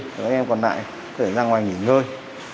còn anh em còn lại có thể ra ngoài nghỉ ngơi